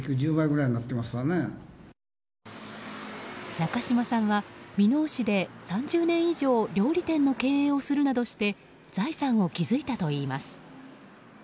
中嶋さんは箕面市で３０年以上料理店の経営をするなどして財産を築いたといいます。